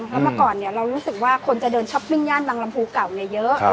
แล้วมาก่อนเนี้ยเรารู้สึกว่าคนจะเดินช้อปปิ้งย่านบางลำภูเก่าเนี้ยเยอะครับ